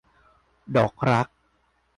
ดอกรัก